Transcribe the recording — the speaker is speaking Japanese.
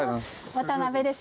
渡辺です。